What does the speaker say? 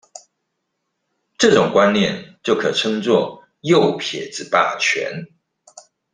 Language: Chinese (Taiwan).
這種觀念就可以稱作「右撇子霸權」